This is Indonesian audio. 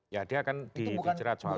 ya dia akan dijerat soal itu